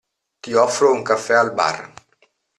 Ti offro un caffè al bar.